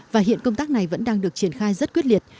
và hiện công tác này vẫn đang được triển khai rất quyết liệt